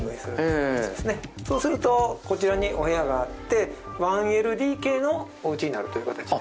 そうするとこちらにお部屋があって１ＬＤＫのおうちになるという感じ。